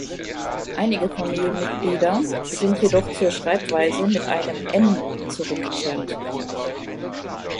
Einige Familienmitglieder sind jedoch zur Schreibweise mit einem "n" zurückgekehrt.